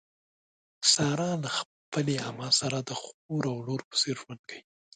ساره له خپلې عمه سره د خور او لور په څېر ژوند کوي.